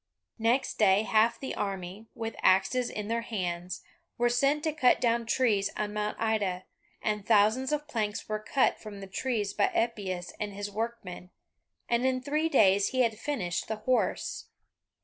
Next day half the army, with axes in their hands, were sent to cut down trees on Mount Ida, and thousands of planks were cut from the trees by Epeius and his workmen, and in three days he had finished the horse.